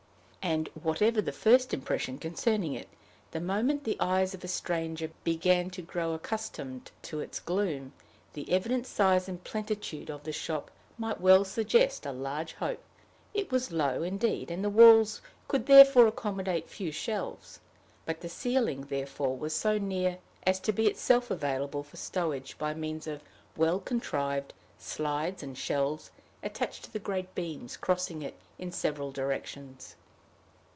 And, whatever the first impression concerning it, the moment the eyes of a stranger began to grow accustomed to its gloom, the evident size and plenitude of the shop might well suggest a large hope. It was low, indeed, and the walls could therefore accommodate few shelves; but the ceiling was therefore so near as to be itself available for stowage by means of well contrived slides and shelves attached to the great beams crossing it in several directions.